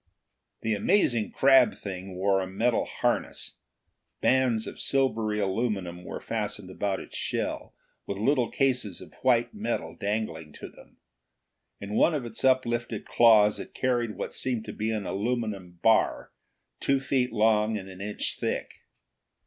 The amazing crab thing wore a metal harness. Bands of silvery aluminum were fastened about its shell, with little cases of white metal dangling to them. In one of its uplifted claws it carried what seemed to be an aluminum bar, two feet long and an inch thick.